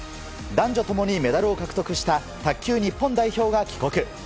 男女共にメダルを獲得した卓球日本代表が帰国。